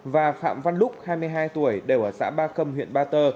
và phạm văn lúc hai mươi hai tuổi đều ở xã ba khâm huyện ba tơ